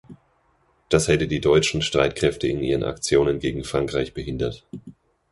Das hätte die deutschen Streitkräfte in ihren Aktionen gegen Frankreich behindert.